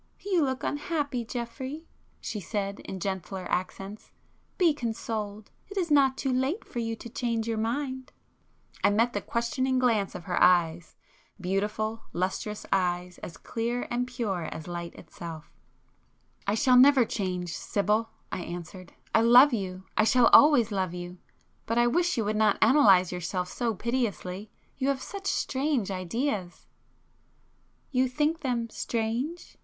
"You look unhappy, Geoffrey,"—she said in gentler accents—"Be consoled!—it is not too late for you to change your mind!" I met the questioning glance of her eyes,—beautiful, lustrous eyes as clear and pure as light itself. [p 204]"I shall never change, Sibyl," I answered—"I love you,—I shall always love you. But I wish you would not analyse yourself so pitilessly,—you have such strange ideas—" "You think them strange?"